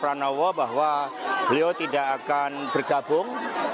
pranowo bahwa beliau tidak akan bergabung